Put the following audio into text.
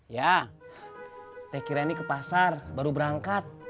ya teh kirain ini ke pasar baru berangkat